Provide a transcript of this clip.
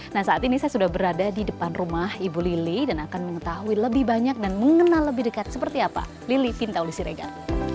nah saat ini saya sudah berada di depan rumah ibu lili dan akan mengetahui lebih banyak dan mengenal lebih dekat seperti apa lili pintauli siregar